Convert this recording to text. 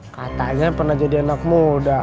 katanya pernah jadi anak muda